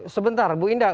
sebentar bu indah